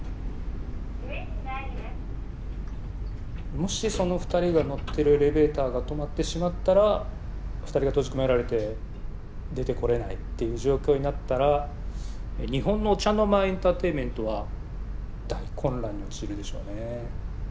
もしその２人が乗ってるエレベーターが止まってしまったら２人が閉じ込められて出てこれないっていう状況になったら日本のお茶の間エンターテインメントは大混乱に陥るでしょうねえ。